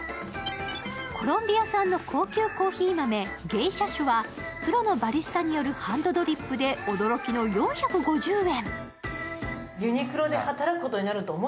コロンビア産の高級コーヒー豆、ゲイシャ種はプロのバリスタによるハンドドリップで驚きの４５０円。